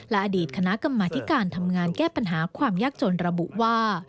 และอดีตคณะกรรมธิการทำงานแก้ปัญหาความยากจนระบุว่า